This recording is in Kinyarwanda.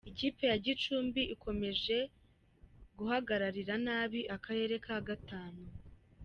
Ikipe ya gicumbi ikomeje guhagararira nabi akarere ka Gatanu